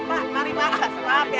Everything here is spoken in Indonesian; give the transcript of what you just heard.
pak mari pak maaf ya